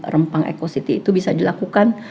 rempang ekositi itu bisa dilakukan